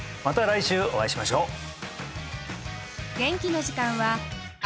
また来週お会いしましょう！